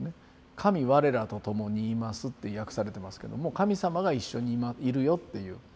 「神われらと共にいます」って訳されてますけども神様が一緒にいるよっていう。